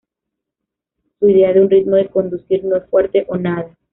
Su idea de un ritmo de conducir no es fuerte o nada.